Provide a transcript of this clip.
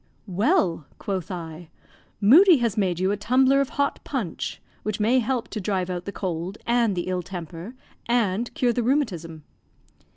"Well," quoth I, "Moodie has made you a tumbler of hot punch, which may help to drive out the cold and the ill temper, and cure the rheumatism."